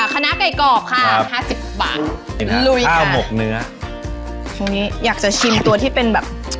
คณะไก่กรอบค่ะ๕๐บาทลุยกันข้าวหมกเนื้ออยากจะชิมตัวที่เป็นแบบ